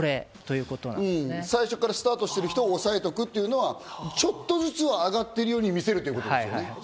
最初からスタートしている人を抑えておくというのは、ちょっとずつ上がるように見せるってことですね。